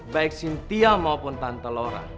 baik cynthia maupun tante laura